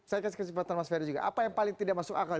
saya kasih kesempatan mas ferry juga apa yang paling tidak masuk akal